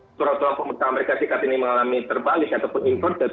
secara total pemerintah amerika zika tni mengalami terbalik ataupun inverted